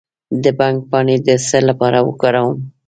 د بنګ پاڼې د څه لپاره وکاروم؟